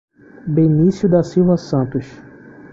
Benicio da Silva Santos